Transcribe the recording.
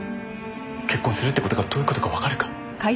結婚するって事がどういう事かわかるか？